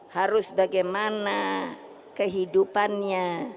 harus bagaimana kehidupannya